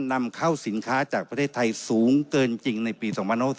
นำเข้าสินค้าจากประเทศไทยสูงเกินจริงในปี๒๐๖๒